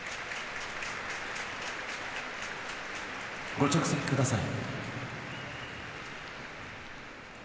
ご着席ください。